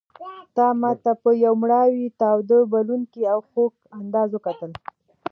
تا ماته په یو مړاوي تاوده بلوونکي او خوږ انداز وکتل.